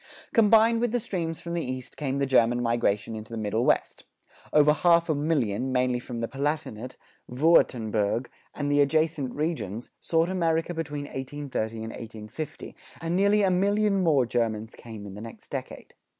Combined with the streams from the East came the German migration into the Middle West. Over half a million, mainly from the Palatinate, Würtemberg, and the adjacent regions, sought America between 1830 and 1850, and nearly a million more Germans came in the next decade.